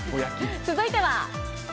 続いては。